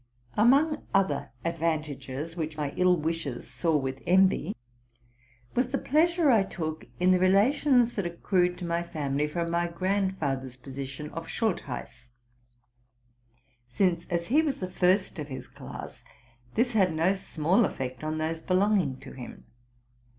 Among other advantages which my ill wishers saw with envy, was the pleasure I took in the relations that accrued to the family from my grandfather's position of Schultheiss ; since, as he was the first of his class, this had no small effect on those belonging to him.